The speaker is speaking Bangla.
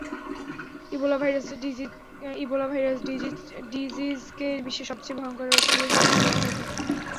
ইবোলা ভাইরাস ডিজিজকে বিশ্বের সবচেয়ে ভয়ংকর রোগগুলোর একটি বলা হয়ে থাকে।